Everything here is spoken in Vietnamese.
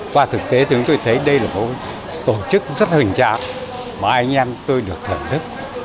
qua thực tế thì chúng tôi thấy đây là một tổ chức rất hình trạng mà anh em tôi được thưởng thức